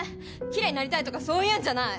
きれいになりたいとかそういうんじゃない！